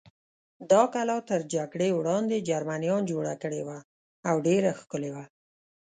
دا کلا تر جګړې وړاندې جرمنیان جوړه کړې وه او ډېره ښکلې وه.